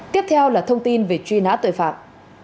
tiếp theo là thông tin về truy nã tội phạm